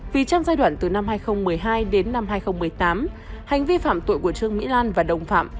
vì trong giai đoạn từ năm hai nghìn một mươi hai đến năm hai nghìn một mươi tám hành vi phạm tội của trương mỹ lan và đồng phạm